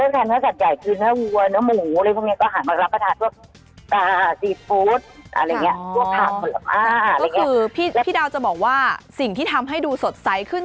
นี่คือพี่ดาวจะบอกว่าสิ่งที่ทำให้ดูสดใสขึ้น